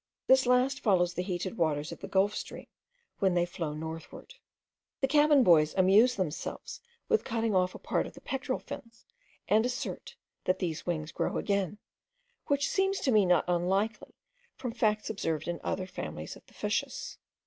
This last follows the heated waters of the Gulf stream when they flow northward. The cabin boys amuse themselves with cutting off a part of the pectoral fins, and assert, that these wings grow again; which seems to me not unlikely, from facts observed in other families of fishes.